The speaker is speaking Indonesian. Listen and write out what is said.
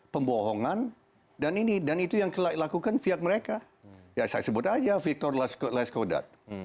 pembohongan dan ini dan itu yang kelai lakukan via mereka ya saya sebut aja victor lascaux lascaux datu